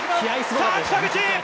さー、北口。